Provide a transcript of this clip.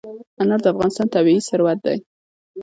انار د افغانستان طبعي ثروت دی.